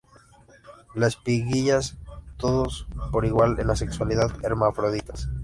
Las espiguillas todos por igual en la sexualidad; hermafroditas.